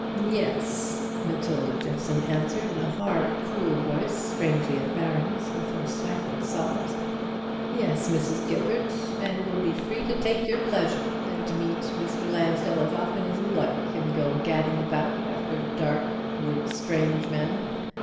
"Yes," Matilda Jeffson answered, in a hard cruel voice, strangely at variance with her stifled sobs, "yes, Mrs. Gilbert; and you'll be free to take your pleasure, and to meet Mr. Lansdell as often as you like; and go gadding about after dark with strange men.